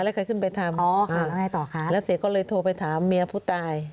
แล้วใครขึ้นไปทำแล้วเช็คก็เลยโทรไปถามเมียผู้ตาย